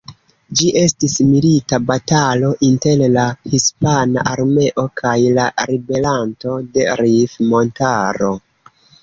Ĝi estis milita batalo inter la hispana armeo kaj la ribelantoj de Rif-montaro.